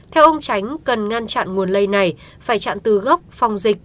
theo ông tránh cần ngăn chặn nguồn lây này phải chặn từ gốc phòng dịch